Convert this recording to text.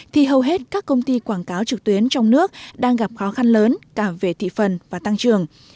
thì hầu hết các công ty quảng cáo trực tuyến trong nước đang gặp khó khăn lớn cả về thị phần và tăng trường